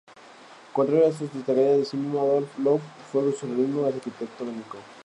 Contrario a estos destacaría asimismo Adolf Loos con su racionalismo arquitectónico.